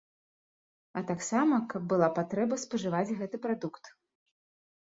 А таксама, каб была патрэба, спажываць гэты прадукт.